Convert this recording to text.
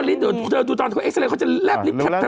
เดี๋ยวเขาเอาลิ้นดูตอนเขาเอ็กเซเลนส์เขาจะแลบ